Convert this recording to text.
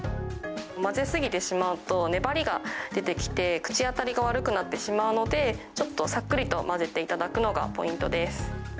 混ぜすぎてしまうと、粘りが出てきて、口当たりが悪くなってしまうので、ちょっと、さっくりと混ぜていただくのがポイントです。